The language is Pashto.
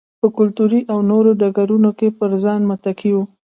په کلتوري او نورو ډګرونو کې پر ځان متکي وي.